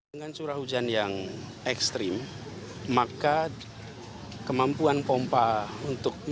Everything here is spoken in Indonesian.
dengan curah hujan yang ekstrim maka kemampuan pompa untuk